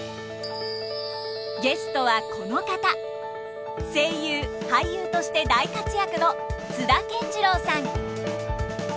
ゲストはこの方声優俳優として大活躍の津田健次郎さん。